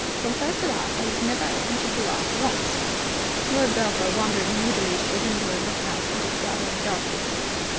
From first to last, I was never tempted to laugh once." Lord Belpher wandered moodily to the window and looked out into the gathering darkness.